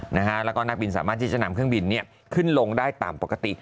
แล้วก็นักบินสามารถที่จะนำเครื่องบินขึ้นลงได้ตามปกติ